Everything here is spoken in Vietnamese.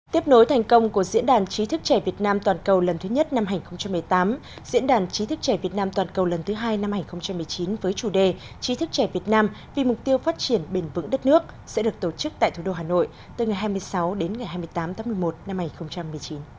tiếp nối thành công của diễn đàn chí thức trẻ việt nam toàn cầu lần thứ nhất năm hai nghìn một mươi tám diễn đàn chí thức trẻ việt nam toàn cầu lần thứ hai năm hai nghìn một mươi chín với chủ đề chí thức trẻ việt nam vì mục tiêu phát triển bền vững đất nước sẽ được tổ chức tại thủ đô hà nội từ ngày hai mươi sáu đến ngày hai mươi tám tháng một mươi một năm hai nghìn một mươi chín